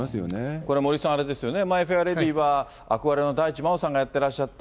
これ森さん、あれですよね、マイ・フェア・レディは憧れの大地真央さんがやってらっしゃって。